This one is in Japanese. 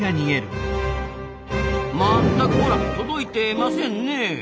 まったくほら届いてませんねえ。